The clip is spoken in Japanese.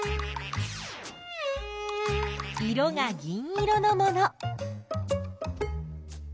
色が銀色のもの。